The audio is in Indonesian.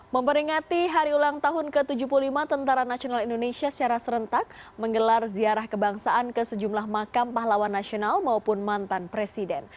memperingati hari ulang tahun ke tujuh puluh lima tentara nasional indonesia secara serentak menggelar ziarah kebangsaan ke sejumlah makam pahlawan nasional maupun mantan presiden